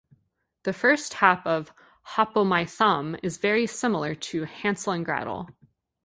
The first half of "Hop-o'-My-Thumb" is very similar to "Hansel and Gretel".